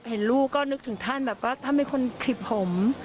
เห็นลูกก็นึกถึงท่านแบบว่าท่านเป็นคนขลิบผม